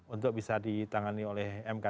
untuk bisa ditangani oleh mk